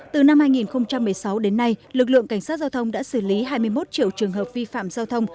từ năm hai nghìn một mươi sáu đến nay lực lượng cảnh sát giao thông đã xử lý hai mươi một triệu trường hợp vi phạm giao thông